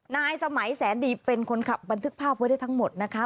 นายสมัยแสนดีเป็นคนขับบันทึกภาพไว้ได้ทั้งหมดนะคะ